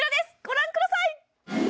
ご覧ください！